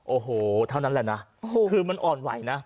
โอ้โหเท่านั้นแหละนะคือมันอ่อนไหวนะ